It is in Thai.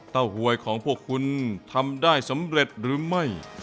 หวยของพวกคุณทำได้สำเร็จหรือไม่